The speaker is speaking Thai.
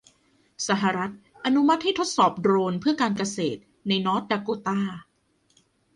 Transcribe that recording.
สหรัฐอนุมัติให้ทดสอบโดรนเพื่อการเกษตรในนอร์ทดาโคตา